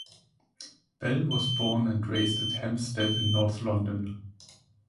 Bell was born and raised at Hampstead in north London.